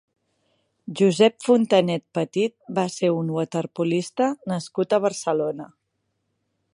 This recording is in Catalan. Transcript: Josep Fontanet Petit va ser un waterpolista nascut a Barcelona.